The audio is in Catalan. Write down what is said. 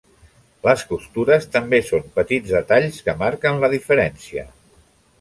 Les costures també són petits detalls que marquen la diferència.